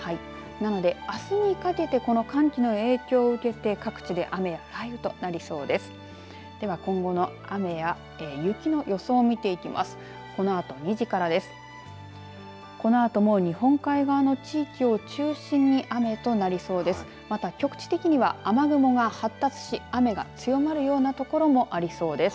なので、あすにかけてこの寒気の影響を受けて各地で雨や雷雨となりそうです。